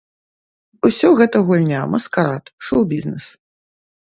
Усё гэта гульня, маскарад, шоў-бізнэс.